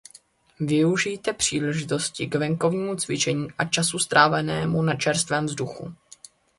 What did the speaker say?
Využijte příležitosti k venkovnímu cvičení a času strávenému na čerstvém vzduchu.